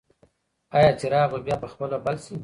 ایا څراغ به بیا په خپله بل شي؟